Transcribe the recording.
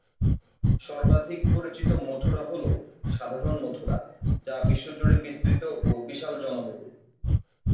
সর্বাধিক পরিচিত মথুরা হলো সাধারণ মথুরা, যা বিশ্বজুড়ে বিস্তৃত ও বিশাল জনবহুল।